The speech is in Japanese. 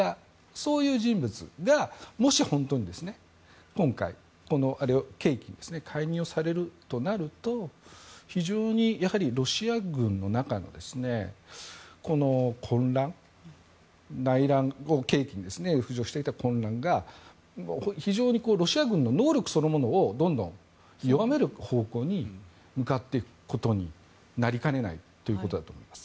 そういう人物がもし本当に今回、これを契機に解任されるとなると非常にロシア軍の中の混乱内乱を契機に浮上していた混乱が非常にロシア軍の能力そのものを弱める方向に向かっていくことになりかねないということだと思います。